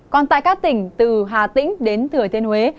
còn tại các tỉnh từ hà tĩnh đến thừa thiên huế